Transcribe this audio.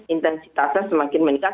intensitasnya semakin meningkat